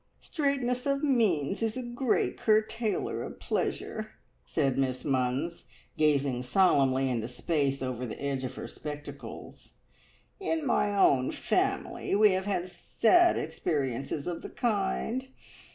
"Straitness of means is a great curtailer of pleasure," said Miss Munns, gazing solemnly into space over the edge of her spectacles. "In my own family we have had sad experiences of the kind.